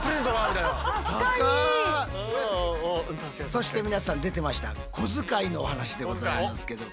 そして皆さん出てましたこづかいのお話でございますけど。